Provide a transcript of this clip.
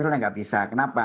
tapi tidak bisa kenapa